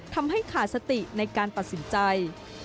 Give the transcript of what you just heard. ทำให้ขาดสติในการตัดสินใจ